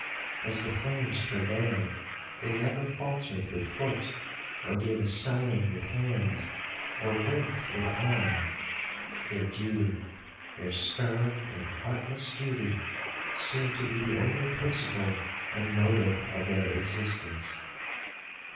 As the flames prevailed, they never faultered with foot, or gave a sign with hand, or winked with eye;—their duty, their stern and heartless duty, seemed to be the only principle and motive of their existence.